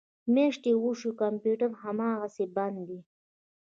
میاشتې وشوې کمپیوټر هماسې بند دی